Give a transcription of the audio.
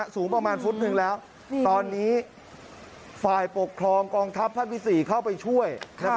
สูงประมาณฟุตหนึ่งแล้วตอนนี้ฝ่ายปกครองกองทัพภาคที่๔เข้าไปช่วย